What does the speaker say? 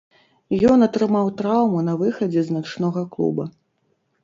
Ён атрымаў траўму на выхадзе з начнога клуба.